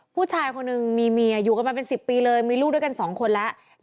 ผู้ชายคนหนึ่งมีเมียอยู่กันมาเป็น๑๐ปีเลยมีลูกด้วยกัน๒คนแล้ว